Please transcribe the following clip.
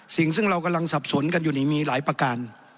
สิ่งซึ่งเรากำลังสับสนกันอยู่นี่มีหลายประการ